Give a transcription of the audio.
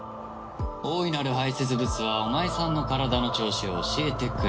大いなる排泄物はお前さんの体の調子を教えてくれる。